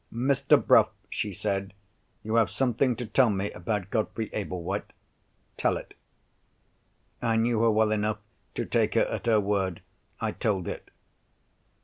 "Mr. Bruff," she said, "you have something to tell me about Godfrey Ablewhite. Tell it." I knew her well enough to take her at her word. I told it.